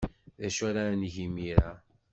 D acu ara neg imir-a?